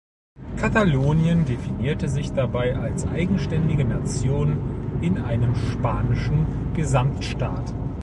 Katalonien definierte sich dabei als eigenständige Nation in einem spanischen Gesamtstaat.